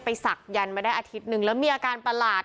ศักยันต์มาได้อาทิตย์หนึ่งแล้วมีอาการประหลาด